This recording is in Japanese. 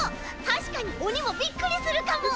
たしかにおにもびっくりするかも。